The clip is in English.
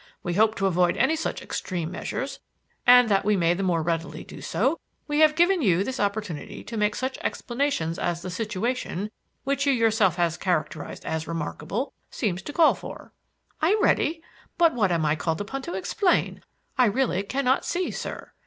We hope to avoid any such extreme measures, and that we may the more readily do so, we have given you this opportunity to make such explanations as the situation, which you yourself have characterised as remarkable, seems to call for." "I am ready. But what am I called upon to explain? I really cannot see, sir.